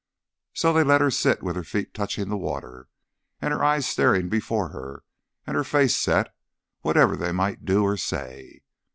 So they let her sit with her feet touching the water, and her eyes staring before her, and her face set, whatever they might do or say.